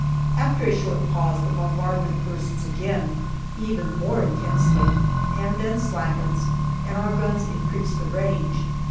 After a short pause the bombardment bursts again, even more intensely, and then slackens, and our guns increase the range.